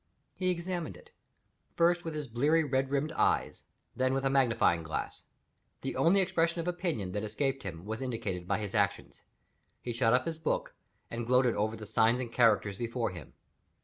He examined it first with his bleared red rimmed eyes; then with a magnifying glass. The only expression of opinion that escaped him was indicated by his actions. He shut up his book, and gloated over the signs and characters before him.